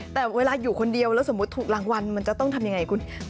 เพราะเวลาอยู่คนเดียวรางวัลจะต้องทำอย่างไร